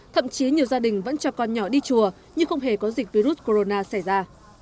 thậm chí nhiều gia đình vẫn cho con nhỏ đi chùa nhưng không hề có dịch virus corona xảy ra